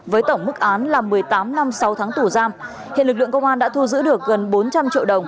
với tổng mức án là một mươi tám năm sáu tháng tù giam hiện lực lượng công an đã thu giữ được gần bốn trăm linh triệu đồng